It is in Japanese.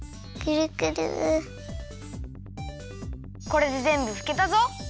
これでぜんぶふけたぞ！